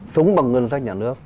sống bằng ngân sách nhà nước